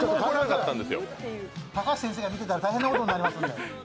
高橋先生が見てたら大変なことになりますので。